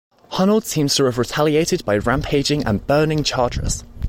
Hunald seems to have retaliated by rampaging and burning Chartres.